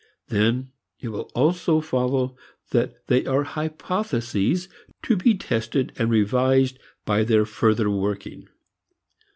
Then it will also follow that they are hypotheses to be tested and revised by their further working.